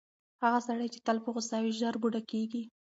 هغه سړی چې تل په غوسه وي، ژر بوډا کیږي.